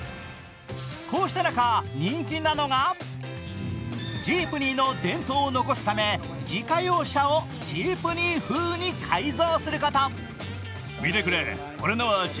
こうした中、人気なのがジープニーの伝統を残すため自家用車をジープニー風に改造すること。